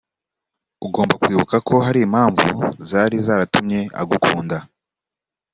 ugomba kwibuka ko hari impamvu zari zaratumye agukunda